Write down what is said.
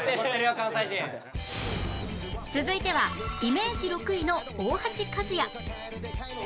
続いてはイメージ６位の大橋和也